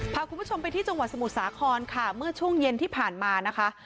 พาคุณผู้ชมไปที่จังหวัดสมุทรสาครค่ะเมื่อช่วงเย็นที่ผ่านมานะคะ